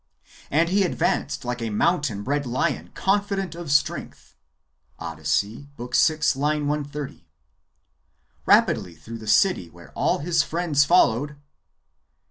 And he advanced like a mountain bred lion confident of strength." — Od. ^ 130. " Rapidly through the city, while all his friends followed."